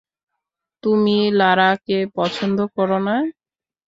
তুমি লারা কে পছন্দ কর না?